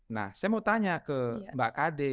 nah saya mau tanya ke mbak kd